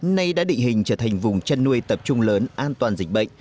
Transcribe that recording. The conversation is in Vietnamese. nay đã định hình trở thành vùng chăn nuôi tập trung lớn an toàn dịch bệnh